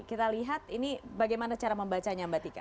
kita lihat ini bagaimana cara membacanya mbak tika